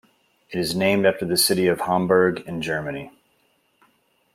It is named after the city of Hamburg, in Germany.